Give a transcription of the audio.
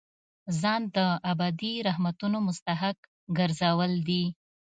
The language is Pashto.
ځان د ابدي رحمتونو مستحق ګرځول دي.